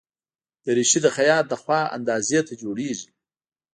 دریشي د خیاط له خوا اندازې ته جوړیږي.